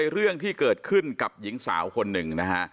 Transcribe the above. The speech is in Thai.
เรื่องที่เกิดขึ้นกับหญิงสาวคนหนึ่งนะฮะ